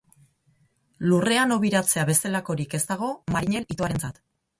Lurrean hobiratzea bezalakorik ez dago marinel itoarentzat.